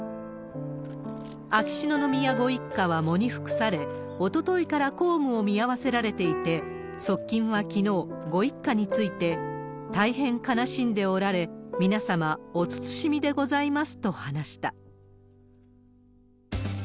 秋篠宮ご一家は喪に服され、おとといから公務を見合わせられていて、側近はきのう、ご一家について、大変悲しんでおられ、皆様お慎みでございますと話した。